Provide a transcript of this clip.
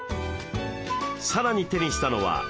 さらに手にしたのは流木。